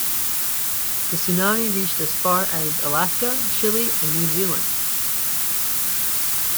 The tsunami reached as far as Alaska, Chile, and New Zealand.